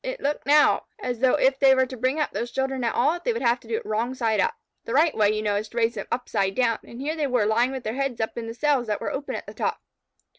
It looked now as though if they were to bring up those children at all, they would have to do it wrong side up. The right way, you know, is to raise them upside down, and here they were lying with their heads up in cells that were open at the top.